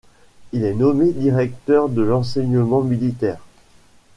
Il est nommé directeur de l'enseignement militaire.